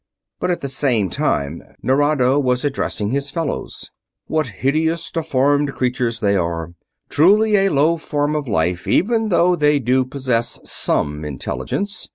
But at the same time Nerado was addressing his fellows. "What hideous, deformed creatures they are! Truly a low form of life, even though they do possess some intelligence.